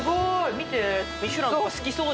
見て。